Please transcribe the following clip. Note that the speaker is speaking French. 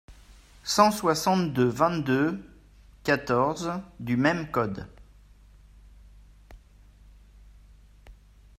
cent soixante-deux-vingt-deux-quatorze du même code.